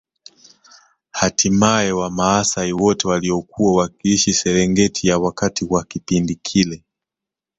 Hatimaye wamaasai wote waliokuwa wakiishi Serengeti ya wakati wa kipindi kile